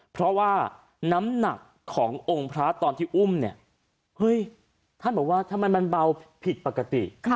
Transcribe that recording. เพราะว่าน้ำหนักขององค์พระตอนที่อุ้มเนี่ยเฮ้ยท่านบอกว่าทำไมมันเบาผิดปกติ